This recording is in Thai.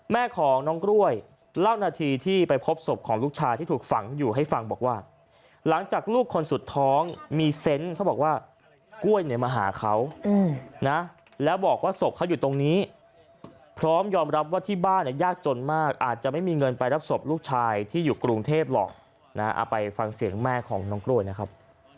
แม่ของน้องกล้วยเล่านาทีที่ไปพบศพของลูกชายที่ถูกฝังอยู่ให้ฟังบอกว่าหลังจากลูกคนสุดท้องมีเซนต์เขาบอกว่ากล้วยเนี่ยมาหาเขานะแล้วบอกว่าศพเขาอยู่ตรงนี้พร้อมยอมรับว่าที่บ้านยากจนมากอาจจะไม่มีเงินไปรับศพลูกชายที่อยู่กรุงเทพหรอกนะเอาไปฟังเสียงแม่ของน้องกล้วยนะครับ